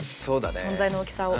存在の大きさを。